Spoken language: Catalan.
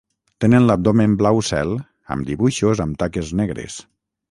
Tenen l'abdomen blau cel amb dibuixos amb taques negres.